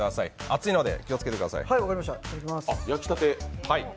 熱いので気をつけてください。